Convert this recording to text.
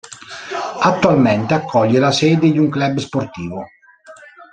Attualmente accoglie la sede di un club sportivo.